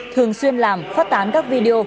thường xuyên làm phát tán các video